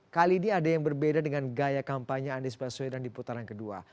kali ini ada yang berbeda dengan gaya kampanye anies baswedan di putaran kedua